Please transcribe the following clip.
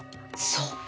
そう！